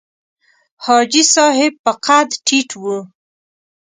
حاجي صاحب په قد ټیټ و.